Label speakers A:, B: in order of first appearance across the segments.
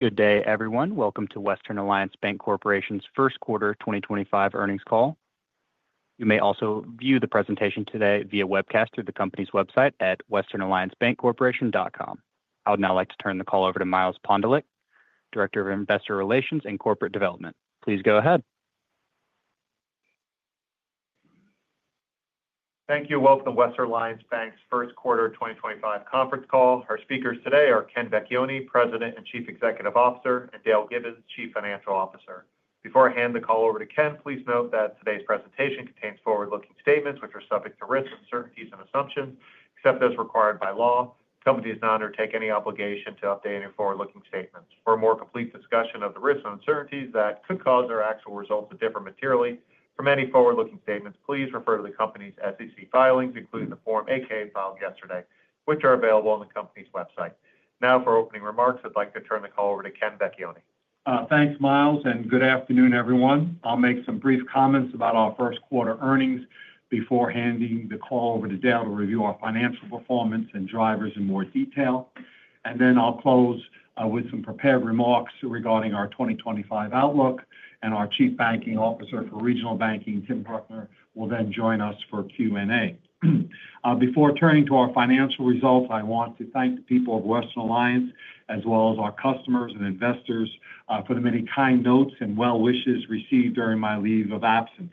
A: Good day, everyone. Welcome to Western Alliance Bancorporation's first quarter 2025 earnings call. You may also view the presentation today via webcast through the company's website at westernalliancebancorporation.com. I would now like to turn the call over to Miles Pondelik, Director of Investor Relations and Corporate Development. Please go ahead.
B: Thank you. Welcome to Western Alliance Bank's first quarter 2025 conference call. Our speakers today are Ken Vecchione, President and Chief Executive Officer, and Dale Gibbons, Chief Financial Officer. Before I hand the call over to Ken, please note that today's presentation contains forward-looking statements which are subject to risks, uncertainties, and assumptions, except as required by law. The company does not undertake any obligation to update any forward-looking statements. For a more complete discussion of the risks and uncertainties that could cause our actual results to differ materially from any forward-looking statements, please refer to the company's SEC filings, including the Form 8-K filed yesterday, which are available on the company's website. Now, for opening remarks, I'd like to turn the call over to Ken Vecchione.
C: Thanks, Miles, and good afternoon, everyone. I'll make some brief comments about our first quarter earnings before handing the call over to Dale to review our financial performance and drivers in more detail. I will close with some prepared remarks regarding our 2025 outlook, and our Chief Banking Officer for Regional Banking, Tim Bruckner, will then join us for Q&A. Before turning to our financial results, I want to thank the people of Western Alliance, as well as our customers and investors, for the many kind notes and well-wishes received during my leave of absence.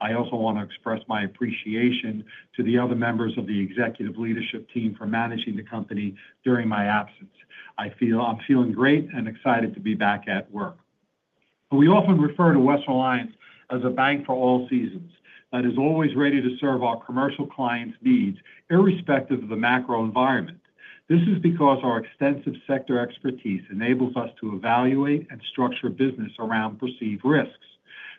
C: I also want to express my appreciation to the other members of the executive leadership team for managing the company during my absence. I feel great and excited to be back at work. We often refer to Western Alliance as a bank for all seasons that is always ready to serve our commercial clients' needs, irrespective of the macro environment. This is because our extensive sector expertise enables us to evaluate and structure business around perceived risks.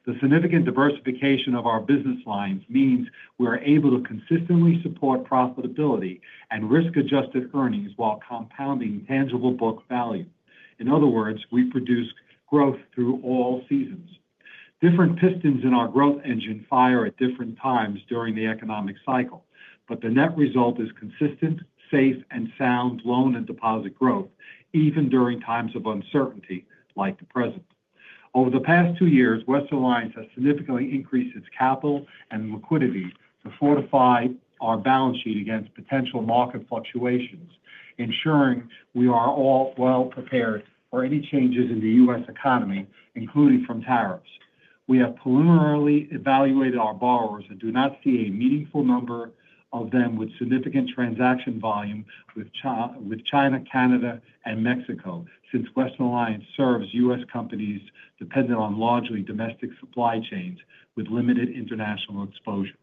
C: The significant diversification of our business lines means we are able to consistently support profitability and risk-adjusted earnings while compounding tangible book value. In other words, we produce growth through all seasons. Different pistons in our growth engine fire at different times during the economic cycle, but the net result is consistent, safe, and sound loan and deposit growth, even during times of uncertainty like the present. Over the past two years, Western Alliance has significantly increased its capital and liquidity to fortify our balance sheet against potential market fluctuations, ensuring we are all well prepared for any changes in the U.S. economy, including from tariffs. We have preliminarily evaluated our borrowers and do not see a meaningful number of them with significant transaction volume with China, Canada, and Mexico since Western Alliance serves U.S. companies dependent on largely domestic supply chains with limited international exposure.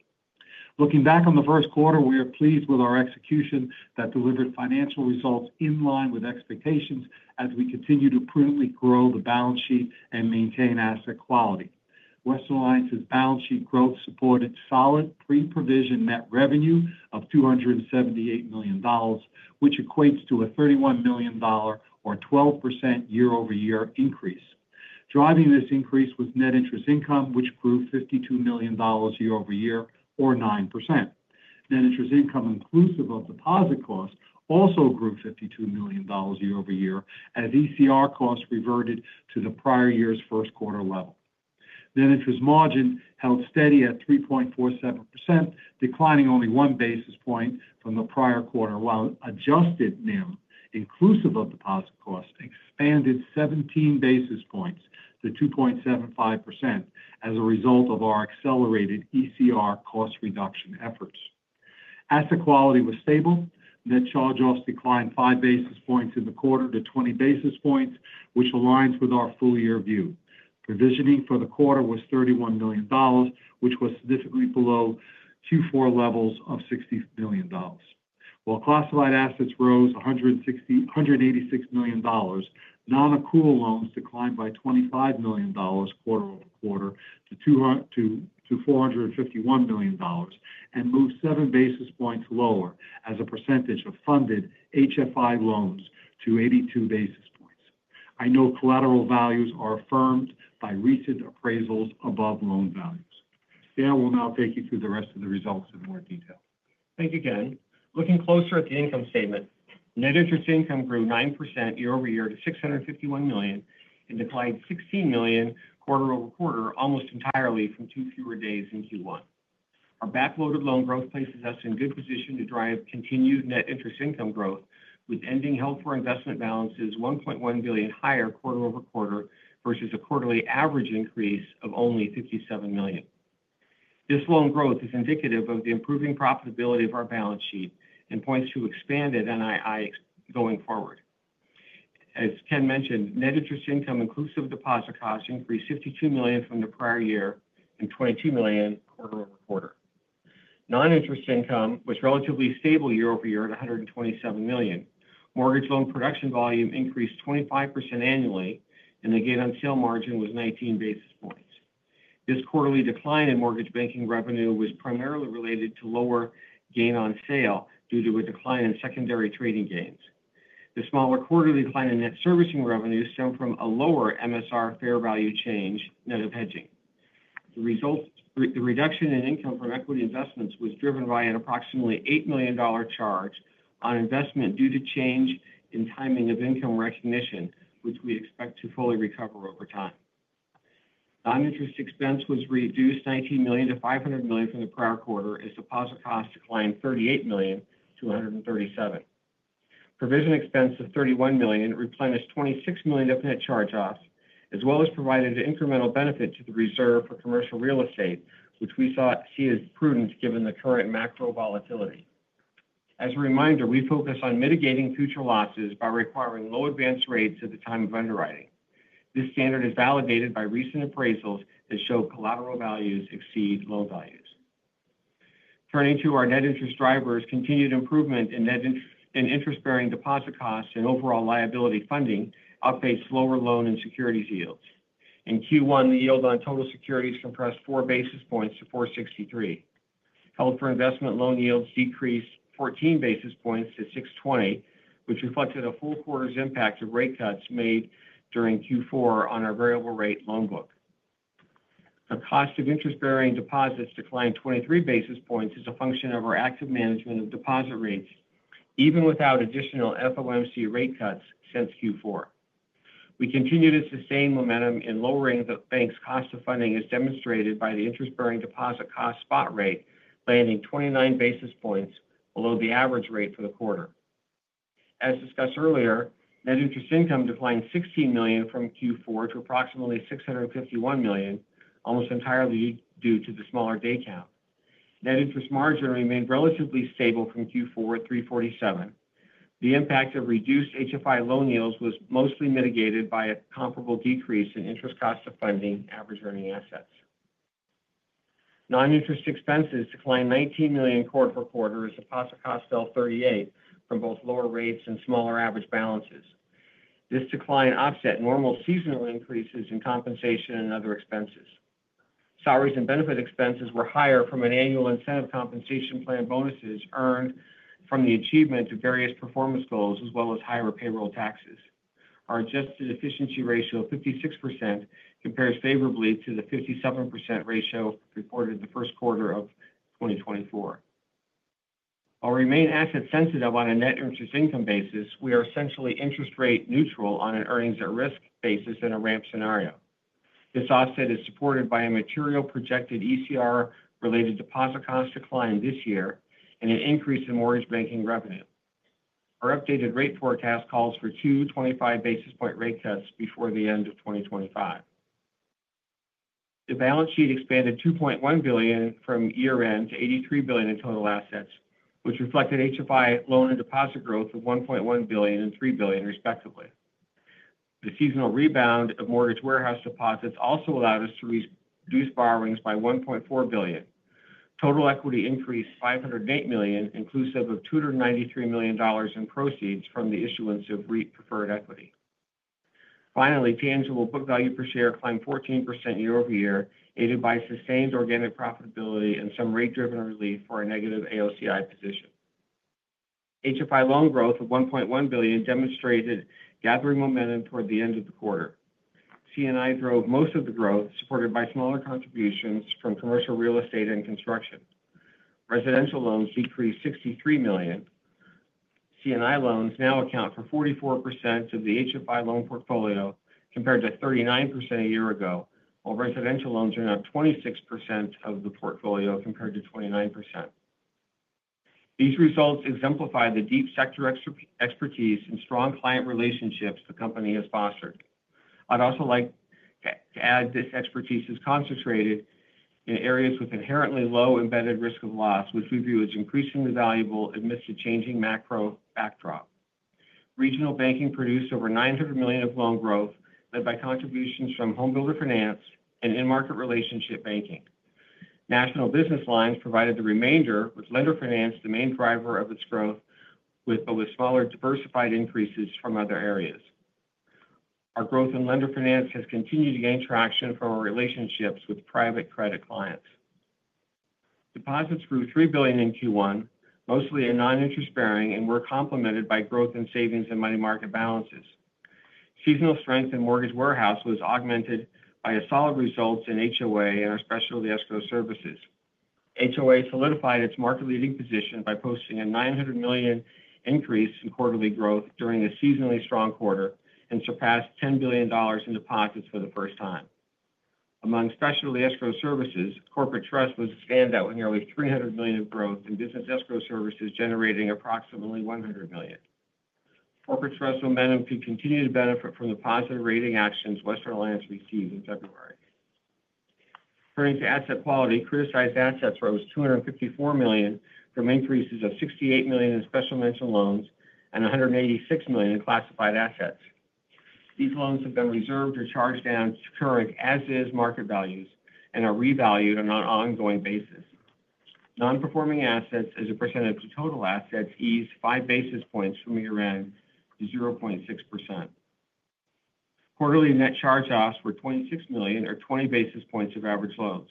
C: Looking back on the first quarter, we are pleased with our execution that delivered financial results in line with expectations as we continue to prudently grow the balance sheet and maintain asset quality. Western Alliance's balance sheet growth supported solid pre-provision net revenue of $278 million, which equates to a $31 million, or 12% year-over-year increase. Driving this increase was net interest income, which grew $52 million year-over-year, or 9%. Net interest income, inclusive of deposit costs, also grew $52 million year-over-year as ECR costs reverted to the prior year's first quarter level. Net interest margin held steady at 3.47%, declining only one basis point from the prior quarter, while adjusted NIM, inclusive of deposit costs, expanded 17 basis points to 2.75% as a result of our accelerated ECR cost reduction efforts. Asset quality was stable. Net charge-offs declined five basis points in the quarter to 20 basis points, which aligns with our full-year view. Provisioning for the quarter was $31 million, which was significantly below Q4 levels of $60 million. While classified assets rose $186 million, non-accrual loans declined by $25 million quarter over quarter to $451 million and moved seven basis points lower as a percentage of funded HFI loans to 82 basis points. I know collateral values are affirmed by recent appraisals above loan values. Dale will now take you through the rest of the results in more detail.
D: Thank you, Ken. Looking closer at the income statement, net interest income grew 9% year-over-year to $651 million and declined $16 million quarter over quarter almost entirely from two fewer days in Q1. Our backloaded loan growth places us in good position to drive continued net interest income growth, with ending held for investment balances $1.1 billion higher quarter over quarter versus a quarterly average increase of only $57 million. This loan growth is indicative of the improving profitability of our balance sheet and points to expanded NII going forward. As Ken mentioned, net interest income, inclusive of deposit costs, increased $52 million from the prior year and $22 million quarter over quarter. Non-interest income was relatively stable year-over-year at $127 million. Mortgage loan production volume increased 25% annually, and the gain on sale margin was 19 basis points. This quarterly decline in mortgage banking revenue was primarily related to lower gain on sale due to a decline in secondary trading gains. The smaller quarterly decline in net servicing revenue stemmed from a lower MSR fair value change net of hedging. The reduction in income from equity investments was driven by an approximately $8 million charge on investment due to change in timing of income recognition, which we expect to fully recover over time. Non-interest expense was reduced $19 million to $500 million from the prior quarter, as deposit costs declined $38 million to $137 million. Provision expense of $31 million replenished $26 million of net charge-offs, as well as provided an incremental benefit to the reserve for commercial real estate, which we see as prudent given the current macro volatility. As a reminder, we focus on mitigating future losses by requiring low advance rates at the time of underwriting. This standard is validated by recent appraisals that show collateral values exceed loan values. Turning to our net interest drivers, continued improvement in interest-bearing deposit costs and overall liability funding outpaced lower loan and securities yields. In Q1, the yield on total securities compressed four basis points to $463. Held for investment loan yields decreased 14 basis points to $620, which reflected a full quarter's impact of rate cuts made during Q4 on our variable-rate loan book. The cost of interest-bearing deposits declined 23 basis points as a function of our active management of deposit rates, even without additional FOMC rate cuts since Q4. We continue to sustain momentum in lowering the bank's cost of funding, as demonstrated by the interest-bearing deposit cost spot rate landing 29 basis points below the average rate for the quarter. As discussed earlier, net interest income declined $16 million from Q4 to approximately $651 million, almost entirely due to the smaller day count. Net interest margin remained relatively stable from Q4 at $347 million. The impact of reduced HFI loan yields was mostly mitigated by a comparable decrease in interest cost of funding average earning assets. Non-interest expenses declined $19 million quarter over quarter as deposit cost fell $38 million from both lower rates and smaller average balances. This decline offset normal seasonal increases in compensation and other expenses. Salaries and benefit expenses were higher from an annual incentive compensation plan bonuses earned from the achievement of various performance goals, as well as higher payroll taxes. Our adjusted efficiency ratio of 56% compares favorably to the 57% ratio reported in the first quarter of 2024. While we remain asset-sensitive on a net interest income basis, we are essentially interest-rate neutral on an earnings-at-risk basis in a ramp scenario. This offset is supported by a material projected ECR-related deposit cost decline this year and an increase in mortgage banking revenue. Our updated rate forecast calls for two 25-basis-point rate cuts before the end of 2025. The balance sheet expanded $2.1 billion from year-end to $83 billion in total assets, which reflected HFI loan and deposit growth of $1.1 billion and $3 billion, respectively. The seasonal rebound of mortgage warehouse deposits also allowed us to reduce borrowings by $1.4 billion. Total equity increased $508 million, inclusive of $293 million in proceeds from the issuance of REIT-preferred equity. Finally, tangible book value per share climbed 14% year-over-year, aided by sustained organic profitability and some rate-driven relief for a negative AOCI position. HFI loan growth of $1.1 billion demonstrated gathering momentum toward the end of the quarter. CNI drove most of the growth, supported by smaller contributions from commercial real estate and construction. Residential loans decreased $63 million. CNI loans now account for 44% of the HFI loan portfolio compared to 39% a year ago, while residential loans are now 26% of the portfolio compared to 29%. These results exemplify the deep sector expertise and strong client relationships the company has fostered. I'd also like to add this expertise is concentrated in areas with inherently low embedded risk of loss, which we view as increasingly valuable amidst a changing macro backdrop. Regional banking produced over $900 million of loan growth, led by contributions from homebuilder finance and in-market relationship banking. National Business Lines provided the remainder, with lender finance the main driver of its growth, but with smaller diversified increases from other areas. Our growth in lender finance has continued to gain traction from our relationships with private credit clients. Deposits grew $3 billion in Q1, mostly in non-interest-bearing, and were complemented by growth in savings and money market balances. Seasonal strength in mortgage warehouse was augmented by solid results in HOA and our specialty escrow services. HOA solidified its market-leading position by posting a $900 million increase in quarterly growth during a seasonally strong quarter and surpassed $10 billion in deposits for the first time. Among specialty escrow services, corporate trust was a standout with nearly $300 million in growth, and business escrow services generating approximately $100 million. Corporate trust momentum could continue to benefit from the positive rating actions Western Alliance received in February. Turning to asset quality, criticized assets rose $254 million from increases of $68 million in special mentioned loans and $186 million in classified assets. These loans have been reserved or charged down to current as-is market values and are revalued on an ongoing basis. Non-performing assets as a percentage of total assets eased five basis points from year-end to 0.6%. Quarterly net charge-offs were $26 million, or 20 basis points of average loans.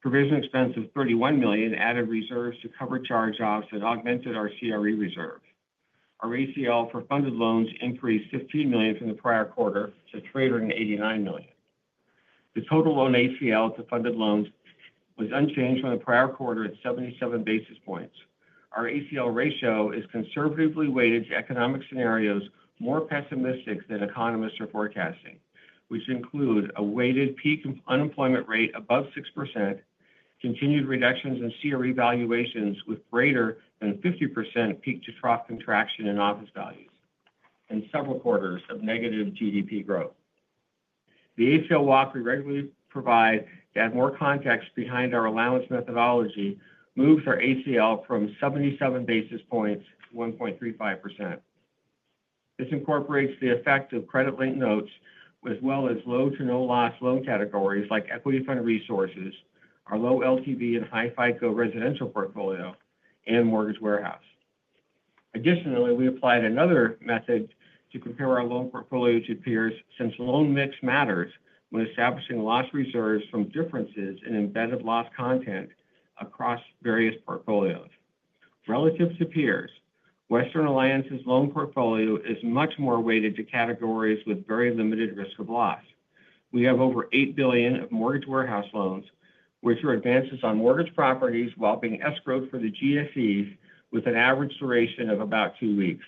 D: Provision expense of $31 million added reserves to cover charge-offs and augmented our CRE reserve. Our ACL for funded loans increased $15 million from the prior quarter to $389 million. The total loan ACL to funded loans was unchanged from the prior quarter at 77 basis points. Our ACL ratio is conservatively weighted to economic scenarios more pessimistic than economists are forecasting, which include a weighted peak unemployment rate above 6%, continued reductions in CRE valuations with greater than 50% peak-to-trough contraction in office values, and several quarters of negative GDP growth. The ACL walk we regularly provide to add more context behind our allowance methodology moves our ACL from 77 basis points to 1.35%. This incorporates the effect of credit-linked notes, as well as low-to-no-loss loan categories like equity-funded resources, our low LTV and high FICO residential portfolio, and mortgage warehouse. Additionally, we applied another method to compare our loan portfolio to peers since loan mix matters when establishing loss reserves from differences in embedded loss content across various portfolios. Relative to peers, Western Alliance's loan portfolio is much more weighted to categories with very limited risk of loss. We have over $8 billion of mortgage warehouse loans, which are advances on mortgage properties while being escrowed for the GSEs with an average duration of about two weeks.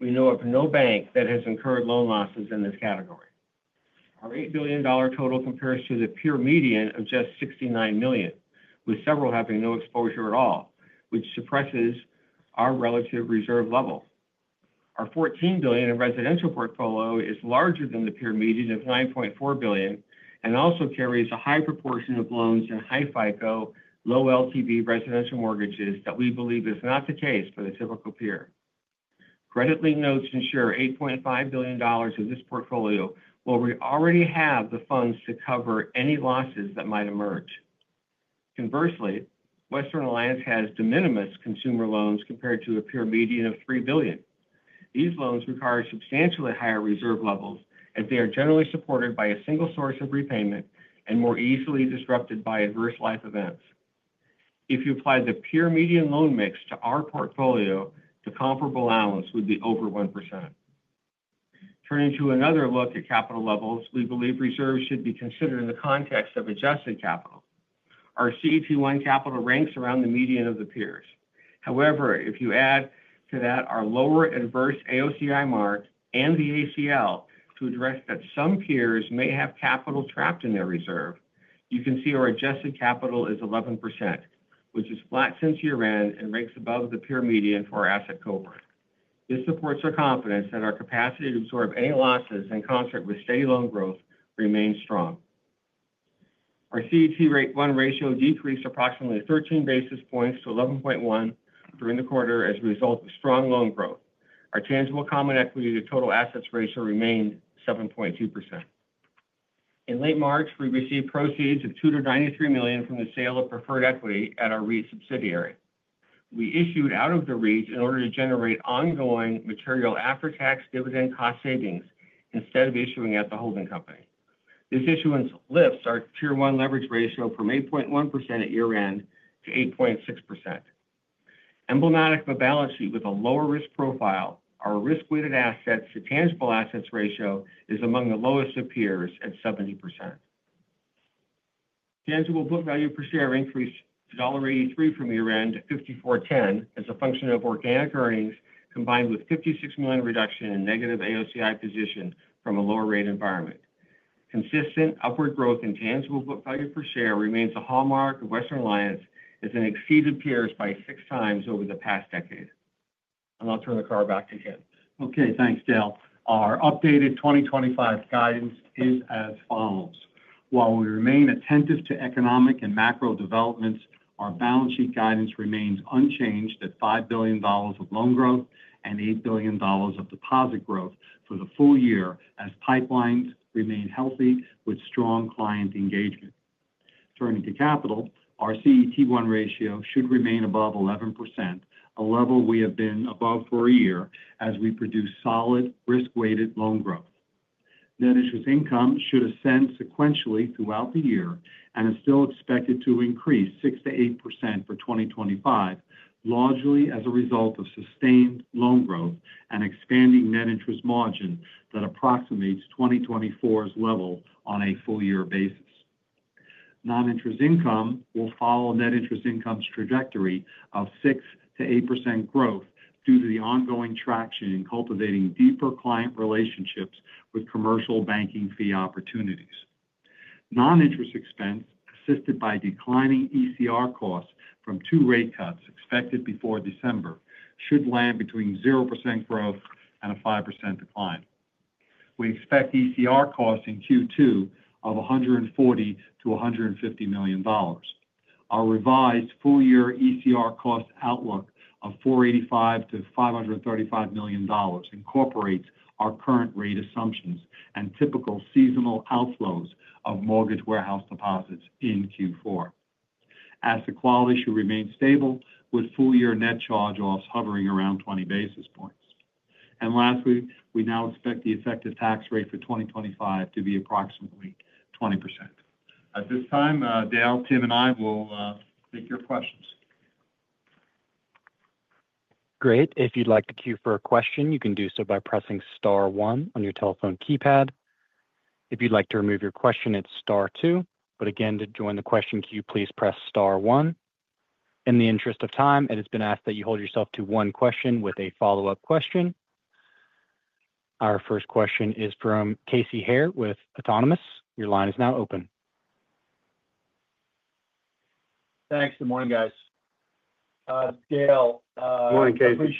D: We know of no bank that has incurred loan losses in this category. Our $8 billion total compares to the peer median of just $69 million, with several having no exposure at all, which suppresses our relative reserve level. Our $14 billion in residential portfolio is larger than the peer median of $9.4 billion and also carries a high proportion of loans in high FICO, low LTV residential mortgages that we believe is not the case for the typical peer. Credit-linked notes ensure $8.5 billion of this portfolio, while we already have the funds to cover any losses that might emerge. Conversely, Western Alliance has de minimis consumer loans compared to a peer median of $3 billion. These loans require substantially higher reserve levels as they are generally supported by a single source of repayment and more easily disrupted by adverse life events. If you apply the peer median loan mix to our portfolio, the comparable allowance would be over 1%. Turning to another look at capital levels, we believe reserves should be considered in the context of adjusted capital. Our CET1 capital ranks around the median of the peers. However, if you add to that our lower adverse AOCI mark and the ACL to address that some peers may have capital trapped in their reserve, you can see our adjusted capital is 11%, which is flat since year-end and ranks above the peer median for our asset cohort. This supports our confidence that our capacity to absorb any losses in concert with steady loan growth remains strong. Our CET1 ratio decreased approximately 13 basis points to 11.1% during the quarter as a result of strong loan growth. Our tangible common equity to total assets ratio remained 7.2%. In late March, we received proceeds of $293 million from the sale of preferred equity at our REIT subsidiary. We issued out of the REIT in order to generate ongoing material after-tax dividend cost savings instead of issuing at the holding company. This issuance lifts our Tier 1 leverage ratio from 8.1% at year-end to 8.6%. Emblematic of a balance sheet with a lower risk profile, our risk-weighted assets to tangible assets ratio is among the lowest of peers at 70%. Tangible book value per share increased to $1.83 from year-end to $54.10 as a function of organic earnings combined with $56 million reduction in negative AOCI position from a lower rate environment. Consistent upward growth in tangible book value per share remains a hallmark of Western Alliance as it exceeded peers by six times over the past decade. I'll turn the car back to Ken.
C: Okay, thanks, Dale. Our updated 2025 guidance is as follows. While we remain attentive to economic and macro developments, our balance sheet guidance remains unchanged at $5 billion of loan growth and $8 billion of deposit growth for the full year as pipelines remain healthy with strong client engagement. Turning to capital, our CET1 ratio should remain above 11%, a level we have been above for a year as we produce solid risk-weighted loan growth. Net interest income should ascend sequentially throughout the year and is still expected to increase 6%-8% for 2025, largely as a result of sustained loan growth and expanding net interest margin that approximates 2024's level on a full-year basis. Non-interest income will follow net interest income's trajectory of 6%-8% growth due to the ongoing traction in cultivating deeper client relationships with commercial banking fee opportunities. Non-interest expense, assisted by declining ECR costs from two rate cuts expected before December, should land between 0% growth and a 5% decline. We expect ECR costs in Q2 of $140 million-$150 million. Our revised full-year ECR cost outlook of $485 million-$535 million incorporates our current rate assumptions and typical seasonal outflows of mortgage warehouse deposits in Q4. Asset quality should remain stable, with full-year net charge-offs hovering around 20 basis points. Lastly, we now expect the effective tax rate for 2025 to be approximately 20%. At this time, Dale, Tim, and I will take your questions. Great.
A: If you'd like to queue for a question, you can do so by pressing Star one on your telephone keypad. If you'd like to remove your question, it's Star two. Again, to join the question queue, please press Star one. In the interest of time, it has been asked that you hold yourself to one question with a follow-up question. Our first question is from Casey Hare with Autonomous Research. Your line is now open. Thanks. Good morning, guys. Dale.
D: Morning, Casey.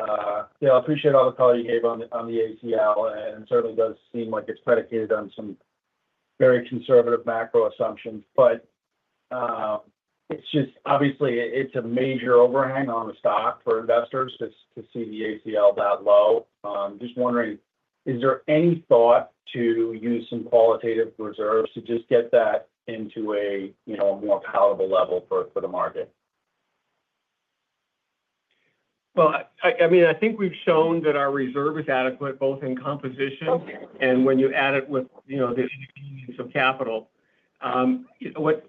E: I appreciate all the color you gave. Morning, guys. Dale, I appreciate all the color you gave on the ACL, and it certainly does seem like it's predicated on some very conservative macro assumptions. Obviously, it's a major overhang on the stock for investors to see the ACL that low. Just wondering, is there any thought to use some qualitative reserves to just get that into a more palatable level for the market?
D: I mean, I think we've shown that our reserve is adequate, both in composition and when you add it with the inconvenience of capital. What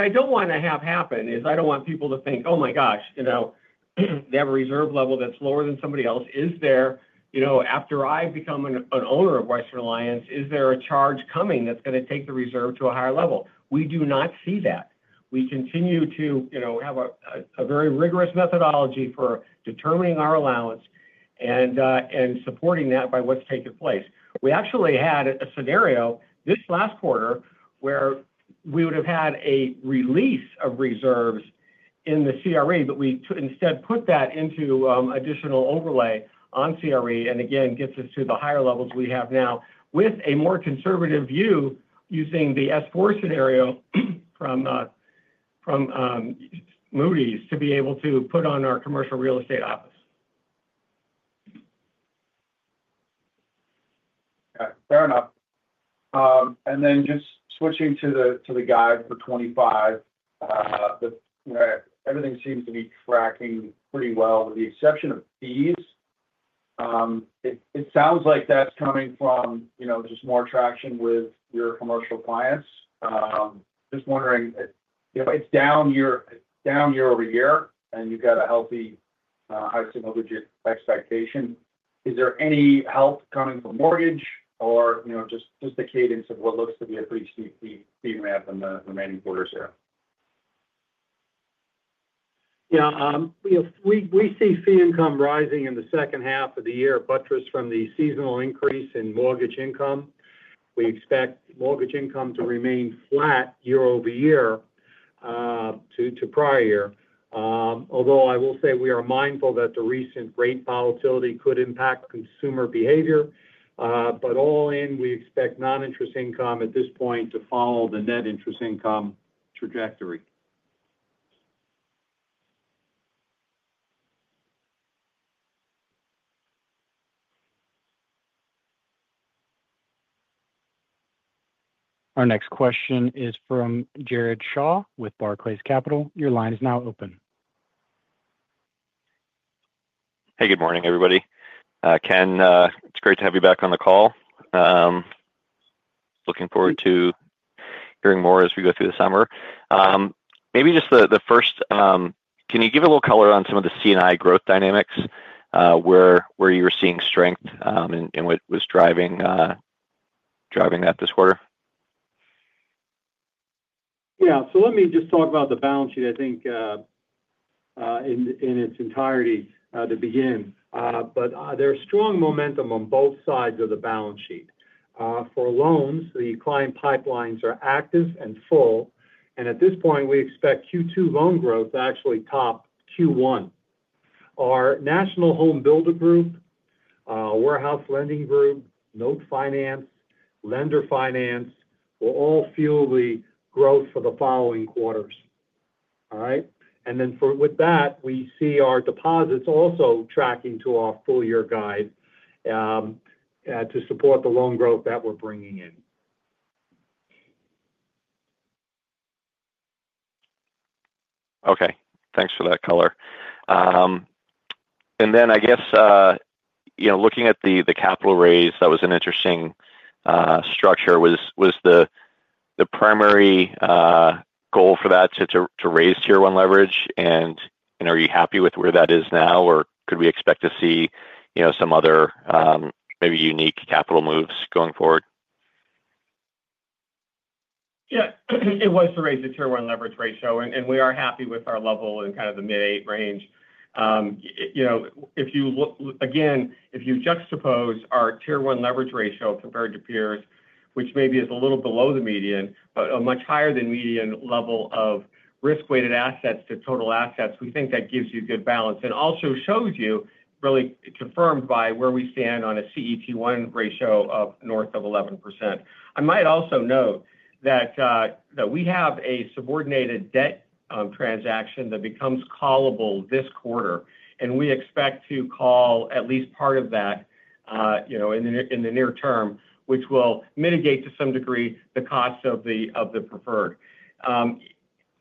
D: I don't want to have happen is I don't want people to think, "Oh my gosh, they have a reserve level that's lower than somebody else. Is there, after I become an owner of Western Alliance, is there a charge coming that's going to take the reserve to a higher level?" We do not see that. We continue to have a very rigorous methodology for determining our allowance and supporting that by what's taken place. We actually had a scenario this last quarter where we would have had a release of reserves in the CRE, but we instead put that into additional overlay on CRE, and again, gets us to the higher levels we have now with a more conservative view using the S4 scenario from Moody's to be able to put on our commercial real estate office. Fair enough.
E: Just switching to the guide for 2025, everything seems to be tracking pretty well with the exception of fees. It sounds like that's coming from just more traction with your commercial clients. Just wondering, if it's down year over year and you've got a healthy high single-digit expectation, is there any help coming from mortgage or just the cadence of what looks to be a pretty steep fee ramp in the remaining quarters here?
D: Yeah. We see fee income rising in the second half of the year, buttressed from the seasonal increase in mortgage income. We expect mortgage income to remain flat year over year to prior year. Although I will say we are mindful that the recent rate volatility could impact consumer behavior. All in, we expect non-interest income at this point to follow the net interest income trajectory.
A: Our next question is from Jared Shaw with Barclays Capital. Your line is now open.
F: Hey, good morning, everybody. Ken, it's great to have you back on the call. Looking forward to hearing more as we go through the summer. Maybe just the first, can you give a little color on some of the C&I growth dynamics, where you were seeing strength and what was driving that this quarter?
D: Yeah. Let me just talk about the balance sheet, I think, in its entirety to begin. There's strong momentum on both sides of the balance sheet. For loans, the client pipelines are active and full. At this point, we expect Q2 loan growth to actually top Q1. Our National Home Builder Group, Warehouse Lending Group, Note Finance, Lender Finance will all fuel the growth for the following quarters. All right? With that, we see our deposits also tracking to our full-year guide to support the loan growth that we're bringing in.
F: Okay. Thanks for that color. I guess looking at the capital raise, that was an interesting structure. Was the primary goal for that to raise Tier 1 leverage? Are you happy with where that is now, or could we expect to see some other maybe unique capital moves going forward?
D: Yeah. It was to raise the Tier 1 leverage ratio, and we are happy with our level in kind of the mid-8 range. Again, if you juxtapose our Tier 1 leverage ratio compared to peers, which maybe is a little below the median, but a much higher than median level of risk-weighted assets to total assets, we think that gives you good balance and also shows you, really confirmed by where we stand on a CET1 ratio of north of 11%. I might also note that we have a subordinated debt transaction that becomes callable this quarter, and we expect to call at least part of that in the near term, which will mitigate to some degree the cost of the preferred.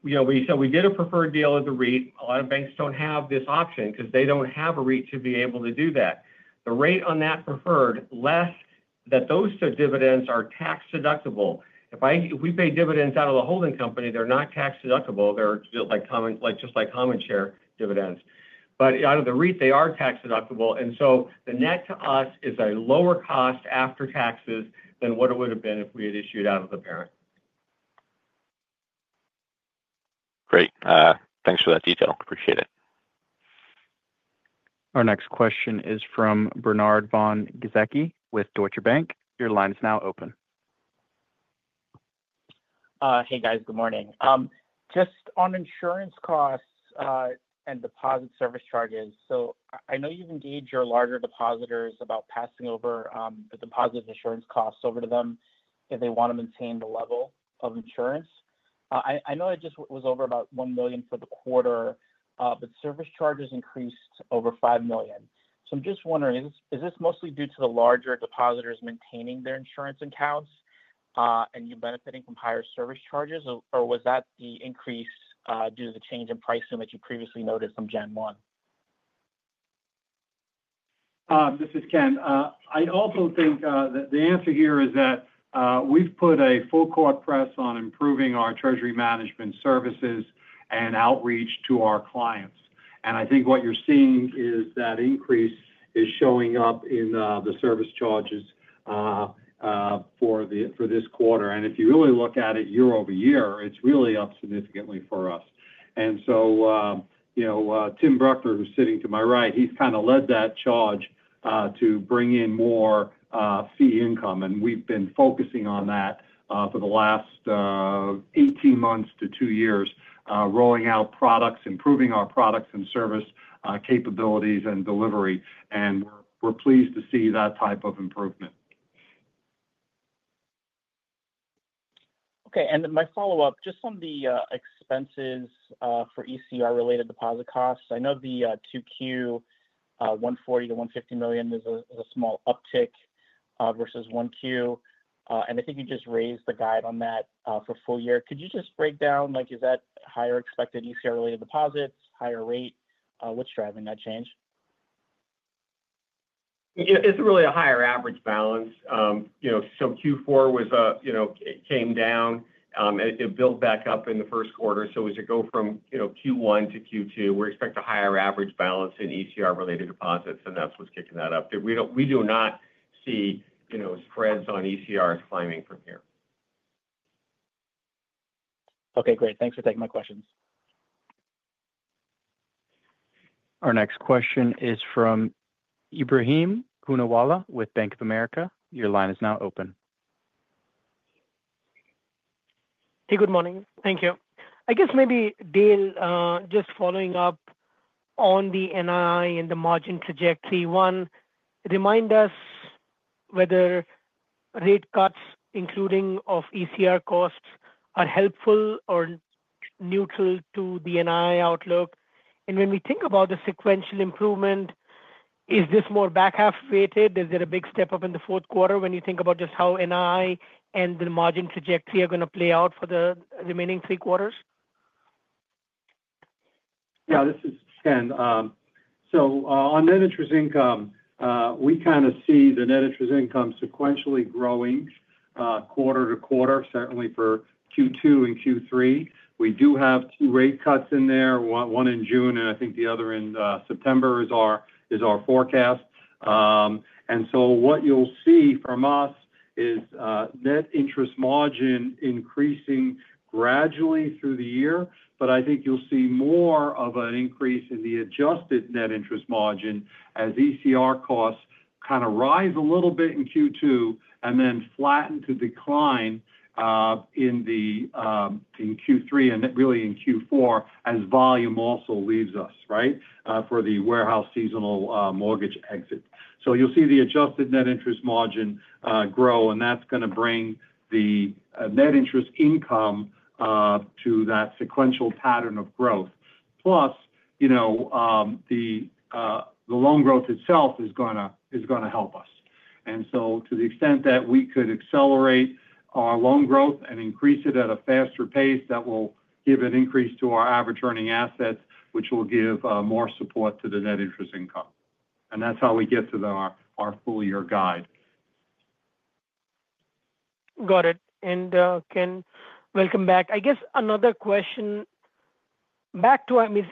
D: We said we did a preferred deal with the REIT. A lot of banks do not have this option because they do not have a REIT to be able to do that. The rate on that preferred, less that those dividends are tax-deductible. If we pay dividends out of the holding company, they are not tax-deductible. They are just like common share dividends. Out of the REIT, they are tax-deductible. The net to us is a lower cost after taxes than what it would have been if we had issued out of the parent.
F: Great. Thanks for that detail. Appreciate it.
A: Our next question is from Bernard von Gzecki with Deutsche Bank. Your line is now open.
G: Hey, guys. Good morning. Just on insurance costs and deposit service charges. I know you have engaged your larger depositors about passing over the deposit insurance costs over to them if they want to maintain the level of insurance. I know it just was over about $1 million for the quarter, but service charges increased over $5 million. I'm just wondering, is this mostly due to the larger depositors maintaining their insurance accounts and you benefiting from higher service charges, or was that the increase due to the change in pricing that you previously noted from Gen 1?
C: This is Ken. I also think that the answer here is that we've put a full court press on improving our treasury management services and outreach to our clients. I think what you're seeing is that increase is showing up in the service charges for this quarter. If you really look at it year over year, it's really up significantly for us. Tim Bruckner, who's sitting to my right, he's kind of led that charge to bring in more fee income. We have been focusing on that for the last 18 months to two years, rolling out products, improving our products and service capabilities and delivery. We are pleased to see that type of improvement.
G: Okay. My follow-up, just on the expenses for ECR-related deposit costs. I know the 2Q, $140 million-$150 million is a small uptick versus 1Q. I think you just raised the guide on that for full year. Could you just break down, is that higher expected ECR-related deposits, higher rate? What is driving that change?
C: It is really a higher average balance. Q4 came down, and it built back up in the first quarter. As you go from Q1 to Q2, we expect a higher average balance in ECR-related deposits, and that is what is kicking that up. We do not see spreads on ECRs climbing from here.
G: Okay. Great. Thanks for taking my questions.
A: Our next question is from Ibrahim Kunawalla with Bank of America. Your line is now open.
H: Hey, good morning. Thank you. I guess maybe, Dale, just following up on the NII and the margin trajectory. One, remind us whether rate cuts, including of ECR costs, are helpful or neutral to the NII outlook. When we think about the sequential improvement, is this more back half-weighted? Is there a big step up in the fourth quarter when you think about just how NII and the margin trajectory are going to play out for the remaining three quarters?
C: Yeah. This is Ken. On net interest income, we kind of see the net interest income sequentially growing quarter to quarter, certainly for Q2 and Q3. We do have two rate cuts in there, one in June, and I think the other in September is our forecast. What you'll see from us is net interest margin increasing gradually through the year. I think you'll see more of an increase in the adjusted net interest margin as ECR costs kind of rise a little bit in Q2 and then flatten to decline in Q3 and really in Q4 as volume also leaves us, right, for the warehouse seasonal mortgage exit. You'll see the adjusted net interest margin grow, and that's going to bring the net interest income to that sequential pattern of growth. Plus, the loan growth itself is going to help us. To the extent that we could accelerate our loan growth and increase it at a faster pace, that will give an increase to our average earning assets, which will give more support to the net interest income. That's how we get to our full-year guide.
H: Got it. Ken, welcome back. I guess another question back to, I mean,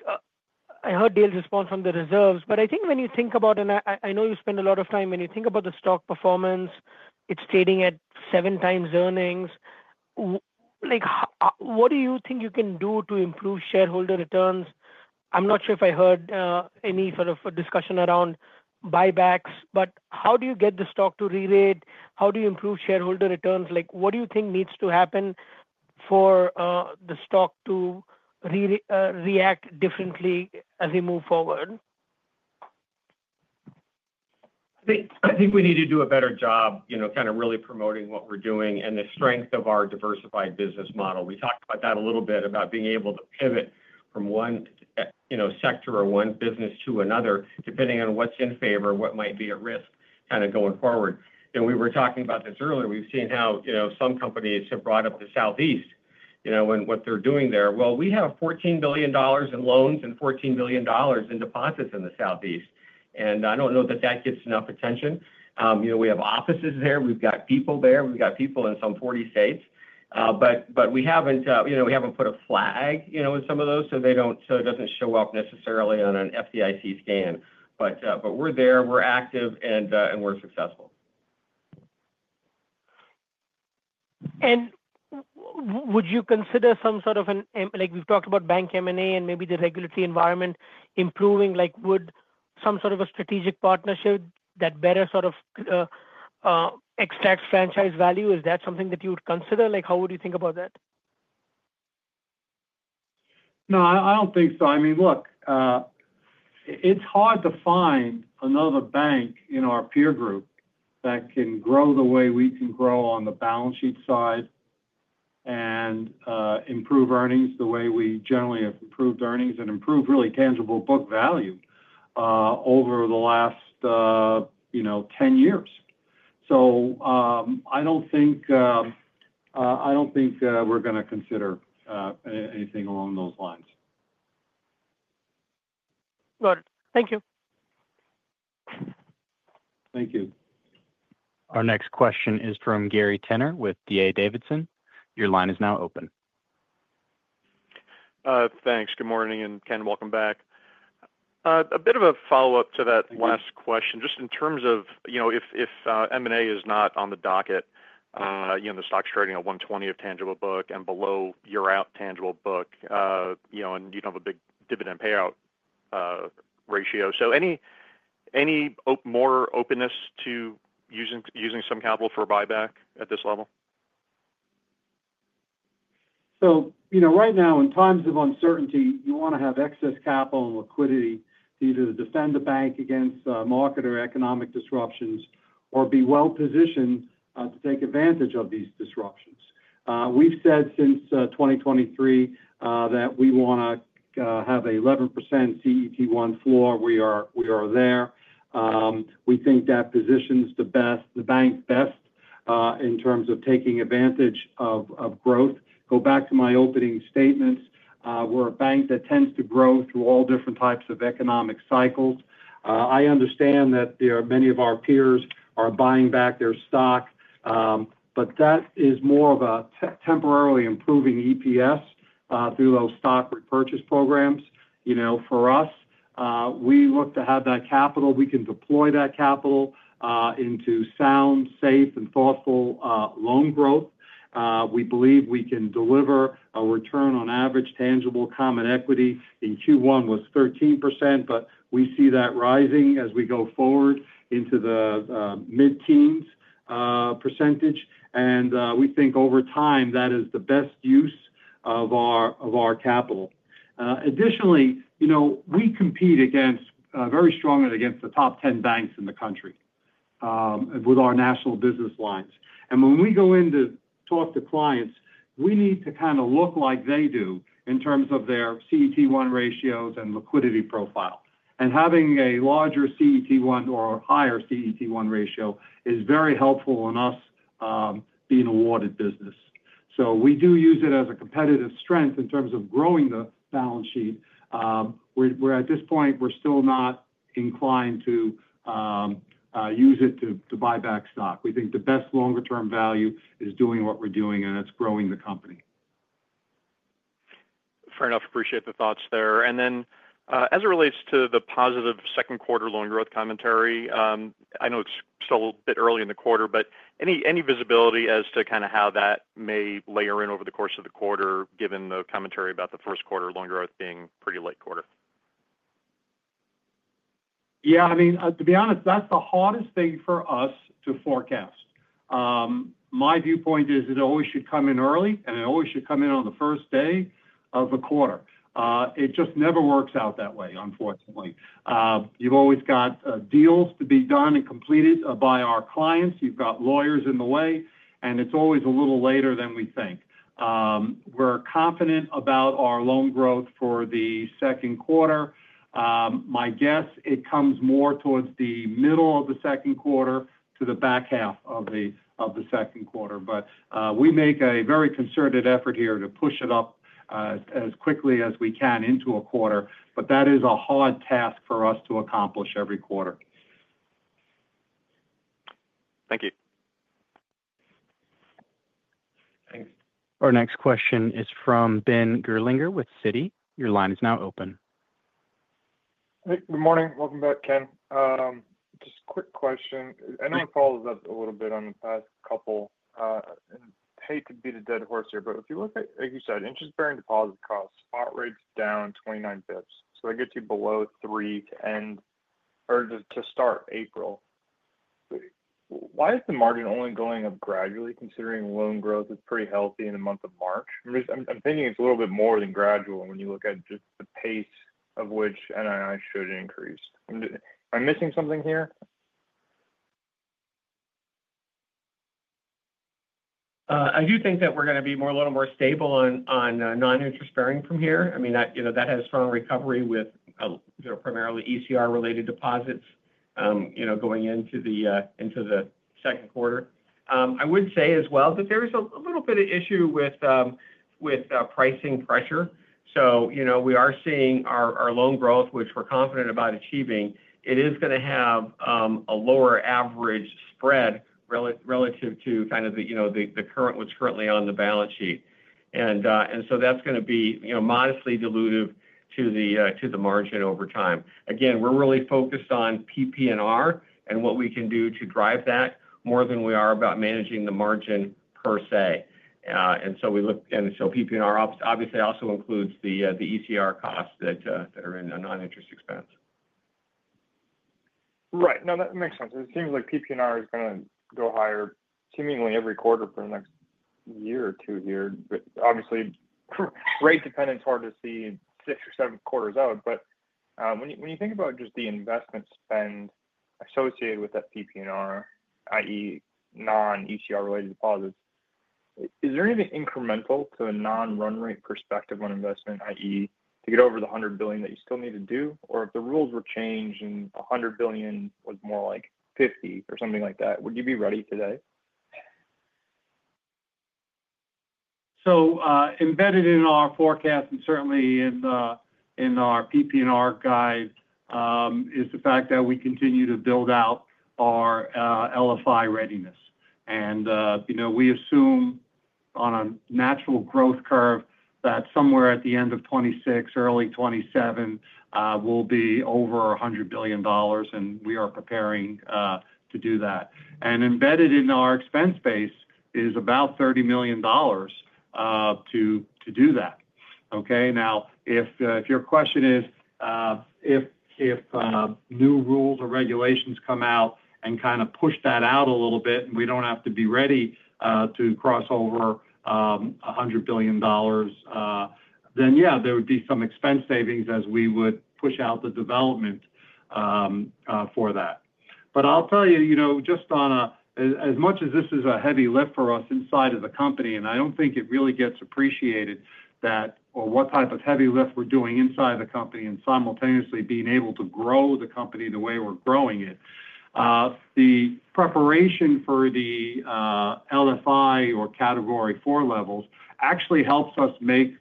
H: I heard Dale's response from the reserves, but I think when you think about, and I know you spend a lot of time, when you think about the stock performance, it's trading at seven times earnings. What do you think you can do to improve shareholder returns? I'm not sure if I heard any sort of discussion around buybacks, but how do you get the stock to re-rate? How do you improve shareholder returns? What do you think needs to happen for the stock to react differently as we move forward?
C: I think we need to do a better job kind of really promoting what we're doing and the strength of our diversified business model. We talked about that a little bit, about being able to pivot from one sector or one business to another, depending on what's in favor, what might be at risk kind of going forward. We were talking about this earlier. We've seen how some companies have brought up the Southeast and what they're doing there. We have $14 billion in loans and $14 billion in deposits in the Southeast. I don't know that that gets enough attention. We have offices there. We've got people there. We've got people in some 40 states. We haven't put a flag in some of those, so it doesn't show up necessarily on an FDIC scan. We're there. We're active, and we're successful.
H: Would you consider some sort of an we've talked about Bank M&A and maybe the regulatory environment improving. Would some sort of a strategic partnership that better sort of extract franchise value, is that something that you would consider? How would you think about that?
C: No, I do not think so. I mean, look, it is hard to find another bank in our peer group that can grow the way we can grow on the balance sheet side and improve earnings the way we generally have improved earnings and improved really tangible book value over the last 10 years. I do not think we are going to consider anything along those lines.
H: Got it. Thank you.
A: Thank you. Our next question is from Gary Tenner with D.A. Davidson. Your line is now open.
I: Thanks. Good morning. And Ken, welcome back. A bit of a follow-up to that last question, just in terms of if M&A is not on the docket, the stock's trading at 1.20 of tangible book and below year-out tangible book, and you don't have a big dividend payout ratio. Any more openness to using some capital for a buyback at this level?
C: Right now, in times of uncertainty, you want to have excess capital and liquidity to either defend the bank against market or economic disruptions or be well-positioned to take advantage of these disruptions. We've said since 2023 that we want to have an 11% CET1 floor. We are there. We think that positions the bank best in terms of taking advantage of growth. Go back to my opening statements. We're a bank that tends to grow through all different types of economic cycles. I understand that many of our peers are buying back their stock, but that is more of a temporarily improving EPS through those stock repurchase programs. For us, we look to have that capital. We can deploy that capital into sound, safe, and thoughtful loan growth. We believe we can deliver a return on average tangible common equity. In Q1, it was 13%, but we see that rising as we go forward into the mid-teens %. We think over time, that is the best use of our capital. Additionally, we compete very strongly against the top 10 banks in the country with our national business lines. When we go in to talk to clients, we need to kind of look like they do in terms of their CET1 ratios and liquidity profile. Having a larger CET1 or higher CET1 ratio is very helpful in us being a wanted business. We do use it as a competitive strength in terms of growing the balance sheet. At this point, we're still not inclined to use it to buy back stock. We think the best longer-term value is doing what we're doing, and it's growing the company.
I: Fair enough. Appreciate the thoughts there. As it relates to the positive second quarter loan growth commentary, I know it's still a bit early in the quarter, but any visibility as to kind of how that may layer in over the course of the quarter, given the commentary about the first quarter loan growth being pretty late quarter?
C: I mean, to be honest, that's the hardest thing for us to forecast. My viewpoint is it always should come in early, and it always should come in on the first day of the quarter. It just never works out that way, unfortunately. You've always got deals to be done and completed by our clients. You've got lawyers in the way, and it's always a little later than we think. We're confident about our loan growth for the second quarter. My guess, it comes more towards the middle of the second quarter to the back half of the second quarter. We make a very concerted effort here to push it up as quickly as we can into a quarter, but that is a hard task for us to accomplish every quarter.
I: Thank you.
A: Thanks. Our next question is from Ben Gerlinger with Citigroup. Your line is now open.
J: Hey, good morning. Welcome back, Ken. Just a quick question. I know it follows up a little bit on the past couple. I hate to beat a dead horse here, but if you look at, like you said, interest-bearing deposit costs, spot rates down 29 basis points. They get you below 3% to start April. Why is the margin only going up gradually, considering loan growth is pretty healthy in the month of March? I'm thinking it's a little bit more than gradual when you look at just the pace of which NII should increase. Am I missing something here?
C: I do think that we're going to be a little more stable on non-interest bearing from here. I mean, that has strong recovery with primarily ECR-related deposits going into the second quarter. I would say as well that there is a little bit of issue with pricing pressure.
D: We are seeing our loan growth, which we're confident about achieving, it is going to have a lower average spread relative to kind of the current what's currently on the balance sheet. That is going to be modestly dilutive to the margin over time. Again, we're really focused on PP&R and what we can do to drive that more than we are about managing the margin per se. PP&R obviously also includes the ECR costs that are in a non-interest expense.
J: Right. No, that makes sense. It seems like PP&R is going to go higher seemingly every quarter for the next year or two here. Obviously, rate dependence is hard to see six or seven quarters out. When you think about just the investment spend associated with that PP&R, i.e., non-ECR-related deposits, is there anything incremental to a non-run rate perspective on investment, i.e., to get over the $100 billion that you still need to do? If the rules were changed and $100 billion was more like $50 billion or something like that, would you be ready today?
C: Embedded in our forecast and certainly in our PP&R guide is the fact that we continue to build out our LFI readiness. We assume on a natural growth curve that somewhere at the end of 2026, early 2027, we will be over $100 billion, and we are preparing to do that. Embedded in our expense base is about $30 million to do that. Okay? Now, if your question is if new rules or regulations come out and kind of push that out a little bit and we don't have to be ready to cross over $100 billion, then yeah, there would be some expense savings as we would push out the development for that. I'll tell you, just on a as much as this is a heavy lift for us inside of the company, and I don't think it really gets appreciated that or what type of heavy lift we're doing inside the company and simultaneously being able to grow the company the way we're growing it, the preparation for the LFI or category four levels actually helps us make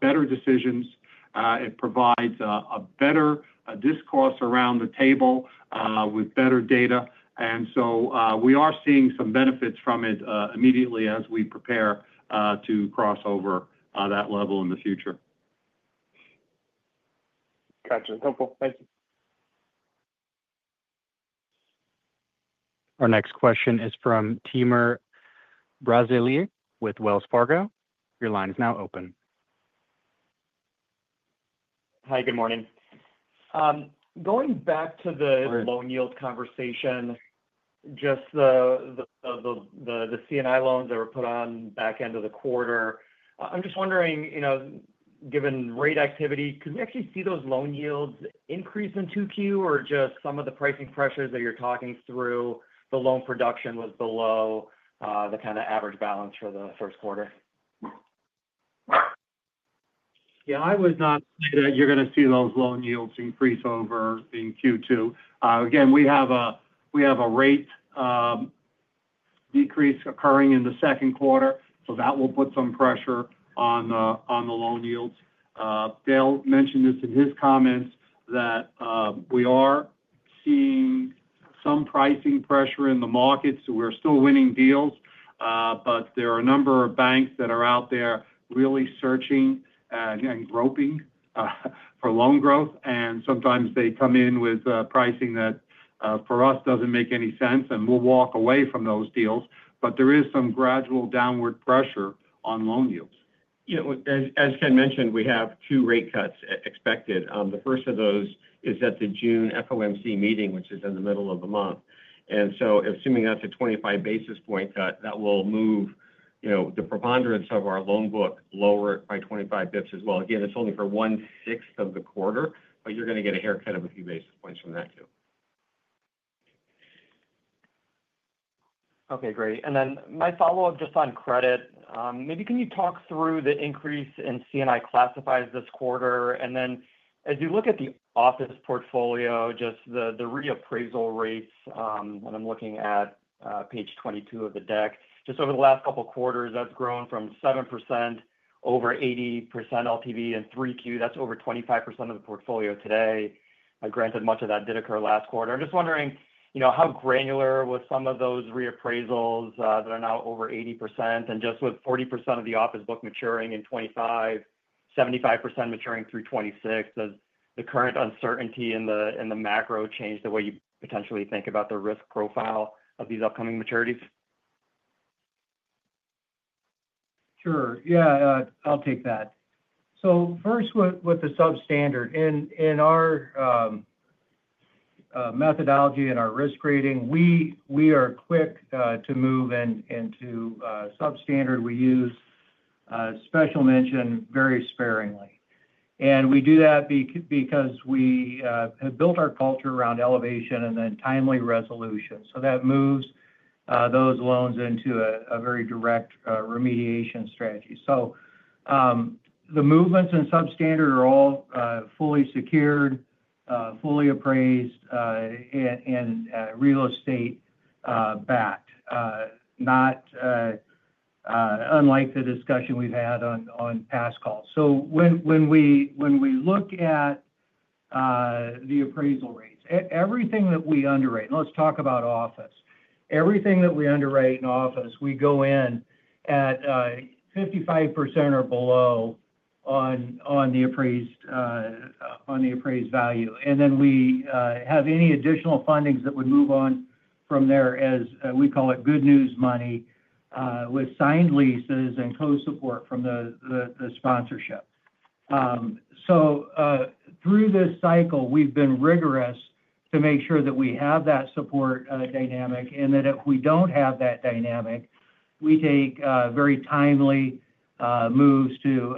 C: better decisions. It provides a better discourse around the table with better data. We are seeing some benefits from it immediately as we prepare to cross over that level in the future.
J: Gotcha. Helpful. Thank you.
A: Our next question is from Timur Brazilier with Wells Fargo. Your line is now open.
K: Hi. Good morning. Going back to the loan yield conversation, just the C&I loans that were put on back end of the quarter, I'm just wondering, given rate activity, could we actually see those loan yields increase in Q2 or just some of the pricing pressures that you're talking through, the loan production was below the kind of average balance for the first quarter?
C: Yeah. I would not say that you're going to see those loan yields increase over in Q2. Again, we have a rate decrease occurring in the second quarter, so that will put some pressure on the loan yields. Dale mentioned this in his comments that we are seeing some pricing pressure in the markets. We're still winning deals, but there are a number of banks that are out there really searching and groping for loan growth. Sometimes they come in with pricing that for us doesn't make any sense, and we'll walk away from those deals. There is some gradual downward pressure on loan yields.
D: As Ken mentioned, we have two rate cuts expected. The first of those is at the June FOMC meeting, which is in the middle of the month. Assuming that's a 25 basis point cut, that will move the preponderance of our loan book lower by 25 basis points as well. Again, it's only for one-sixth of the quarter, but you're going to get a haircut of a few basis points from that too.
K: Okay. Great. My follow-up just on credit. Maybe can you talk through the increase in C&I classifieds this quarter? As you look at the office portfolio, just the reappraisal rates, and I'm looking at page 22 of the deck, just over the last couple of quarters, that's grown from 7% over 80% LTV in 3Q. That's over 25% of the portfolio today. Granted, much of that did occur last quarter. I'm just wondering, how granular were some of those reappraisals that are now over 80%? Just with 40% of the office book maturing in 2025, 75% maturing through 2026, does the current uncertainty in the macro change the way you potentially think about the risk profile of these upcoming maturities?
D: Sure. Yeah. I'll take that. First, with the substandard, in our methodology and our risk rating, we are quick to move into substandard. We use special mention very sparingly. We do that because we have built our culture around elevation and then timely resolution. That moves those loans into a very direct remediation strategy. The movements in substandard are all fully secured, fully appraised, and real estate backed, unlike the discussion we've had on past calls. When we look at the appraisal rates, everything that we underwrite—and let's talk about office—everything that we underwrite in office, we go in at 55% or below on the appraised value. We have any additional fundings that would move on from there as we call it good news money with signed leases and co-support from the sponsorship. Through this cycle, we've been rigorous to make sure that we have that support dynamic. If we do not have that dynamic, we take very timely moves to